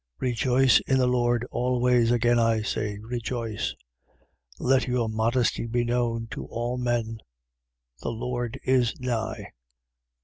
4:4. Rejoice in the Lord always: again, I say, rejoice. 4:5. Let your modesty be known to all men. The Lord is nigh.